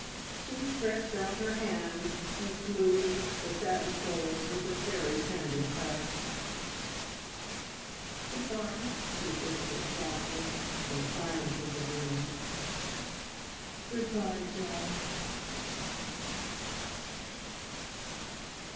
She stretched out her hand, and smoothed the satin folds with a very tender touch. "Good bye!" she whispered softly, in the silence of the room. "Good bye, Jack!"